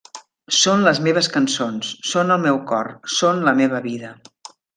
Són les meves cançons, són el meu cor, són la meva vida.